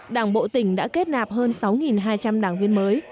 đảng bộ tỉnh đã kết nạp hơn sáu hai trăm linh đảng viên mới